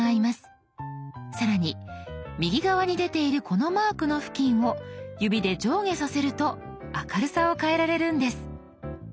更に右側に出ているこのマークの付近を指で上下させると明るさを変えられるんです。